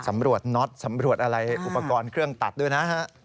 ตำรวจน็อตสำรวจอะไรอุปกรณ์เครื่องตัดด้วยนะฮะ